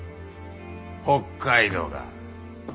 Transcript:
北海道か。